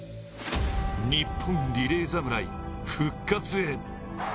日本リレー侍、復活へ。